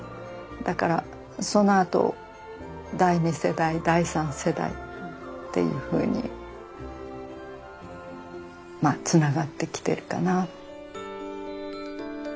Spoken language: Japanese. だからそのあと第２世代第３世代っていうふうにまあつながってきてるかな。